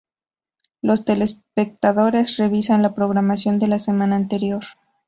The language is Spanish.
Los telespectadores revisan la programación de la semana anterior.